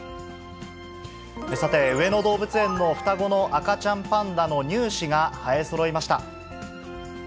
さて、上野動物園の双子の赤ちゃんパンダの乳歯が生えそろいました。